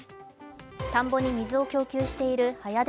田んぼに水を供給している早出